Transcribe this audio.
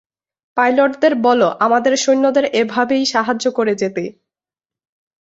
পাইলটদের বলো, আমাদের সৈন্যদের এভাবেই সাহায্য করে যেতে।